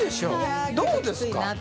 どうですか？